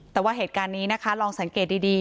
แต่ว่าเหตุการณ์นี้นะคะลองสังเกตดี